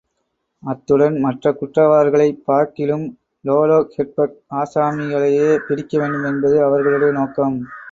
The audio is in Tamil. அத்துடன் மற்றக் குற்றவாளிகளைப் பார்க்கிலும், லோலோஹெட்பக் ஆசாமிகளையே பிடிக்கவேண்டும் என்பது அவர்களுடைய நோக்கம்.